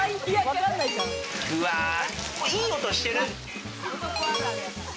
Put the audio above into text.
いい音してる。